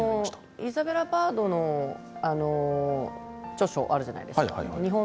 イザベラ・バードの著書あるじゃないですか。